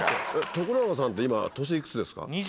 徳永さんって今年いくつですか？